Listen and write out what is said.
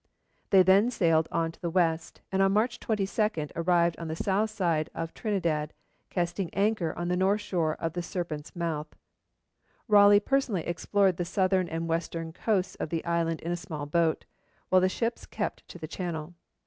They then sailed on into the west, and on March 22 arrived on the south side of Trinidad, casting anchor on the north shore of the Serpent's Mouth. Raleigh personally explored the southern and western coasts of the island in a small boat, while the ships kept to the channel.